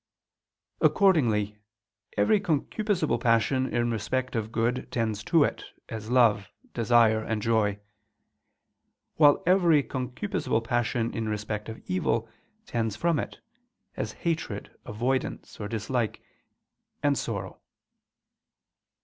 Accordingly every concupiscible passion in respect of good, tends to it, as love, desire and joy; while every concupiscible passion in respect of evil, tends from it, as hatred, avoidance or dislike, and sorrow.